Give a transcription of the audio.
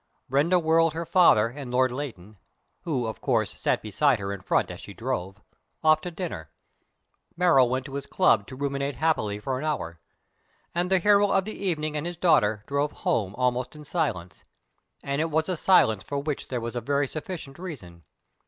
Brenda whirled her father and Lord Leighton who, of course, sat beside her in front as she drove off to supper; Merrill went to his club to ruminate happily for an hour; and the hero of the evening and his daughter drove home almost in silence, and it was a silence for which there was a very sufficient reason.